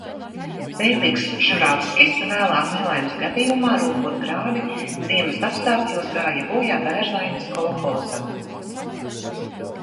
Fēlikss Žuravskis vēlāk nelaimes gadījumā, rokot grāvi ziemas apstākļos, gāja bojā Bērzaines kolhozā.